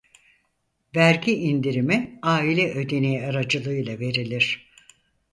Vergi indirimi aile ödeneği aracılığıyla verilir.